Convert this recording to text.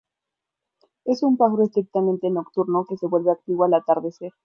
Es un pájaro estrictamente nocturno que se vuelve activo al atardecer.